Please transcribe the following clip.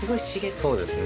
そうですね。